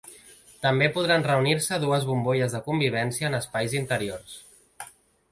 També podran reunir-se dues bombolles de convivència en espais interiors.